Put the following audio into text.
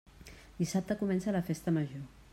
Dissabte comença la Festa Major.